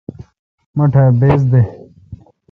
مٹھ ا بِس دہ۔